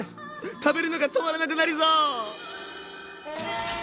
食べるのが止まらなくなりそう！